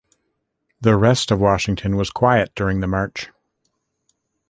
The rest of Washington was quiet during the March.